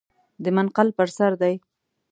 د منقل پر سر دی .